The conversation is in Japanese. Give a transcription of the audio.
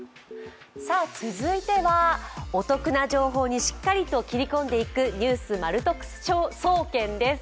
続いてはお得な情報にしっかりと切り込んでいく「ニュースまる得総研」です。